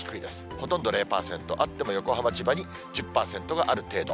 ほとんど０％、あっても、横浜、千葉に１０％がある程度。